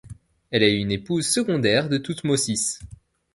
Elle est une épouse secondaire de Thoutmôsis.